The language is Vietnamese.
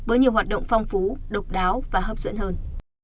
với nhiều hoạt động phong phú độc đáo và hấp dẫn hơn